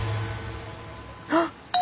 あっ！